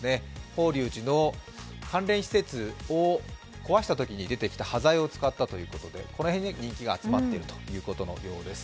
法隆寺の関連施設を壊したときに出てきた端材を使ったということでこの辺に人気が集まってきているようです。